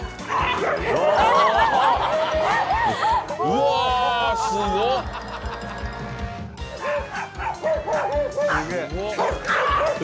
うわすごっ。